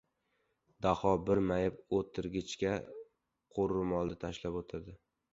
Daho bir mayib o‘tirg‘ichga qo‘lro‘molini to‘shab o‘tirdi.